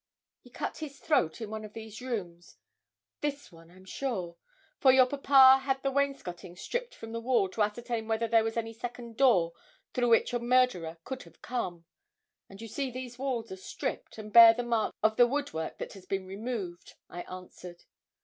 'He cut his throat in one of these rooms this one, I'm sure for your papa had the wainscoting stripped from the wall to ascertain whether there was any second door through which a murderer could have come; and you see these walls are stripped, and bear the marks of the woodwork that has been removed,' I answered.